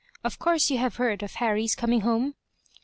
Of course you have heard of Harry's coming home?"